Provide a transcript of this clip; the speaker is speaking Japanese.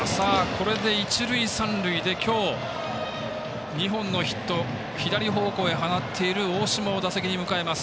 これで一塁三塁で今日、２本のヒット左方向へ放っている大島を打席に迎えます。